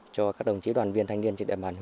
cho các đồng chí đoàn viên thanh niên